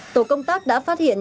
tổ công tác đã phát hiện